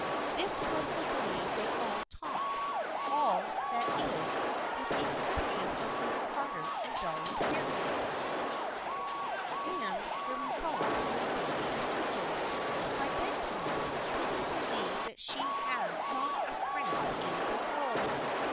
This was the way they all talked — all, that is, with the exception of Ruth Carter and Dolly Fear ing — and the result may be imagined. By bed time, Sydney believed that she had not a friend in the world.